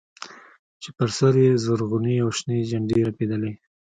چې پر سر يې زرغونې او شنې جنډې رپېدلې.